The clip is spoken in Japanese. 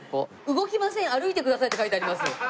「動きません歩いてください」って書いてありますよ。